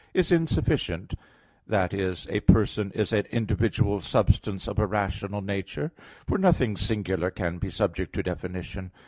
is insufficient that is, "a person is an individual substance of a rational nature." For nothing singular can be subject to definition.